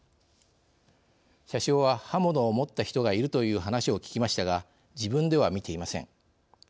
車掌は刃物を持った人がいるという話を聞きましたが自分では見ていません。